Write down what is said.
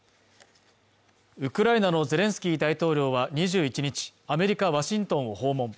ウクライナのゼレンスキー大統領は２１日アメリカ・ワシントンを訪問